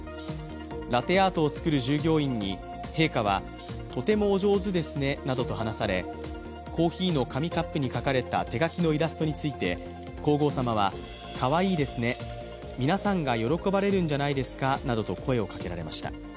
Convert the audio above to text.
ラテアートを作る従業員に陛下はとてもお上手ですねなどと話されコーヒーの紙カップに書かれた手描きのイラストについて皇后さまは、かわいいですね、皆さんが喜ばれるんじゃないですかなどと声をかけられました。